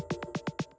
aku mau ke rumah